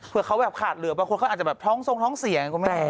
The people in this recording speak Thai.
เผื่อเขาแบบขาดเหลืออาจจะท้องทรงท้องเสีย